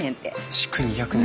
築２００年！